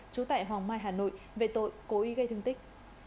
trú tại hoàng mai hà nội về tội cố ý gây thương tích